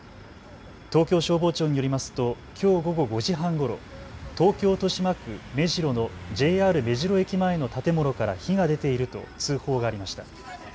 東京消防庁によりますときょう午後５時半ごろ、東京豊島区目白のＪＲ目白駅前の建物から火が出ていると通報がありました。